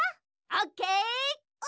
オッケー。